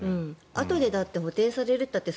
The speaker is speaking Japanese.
あとで補填されるといったって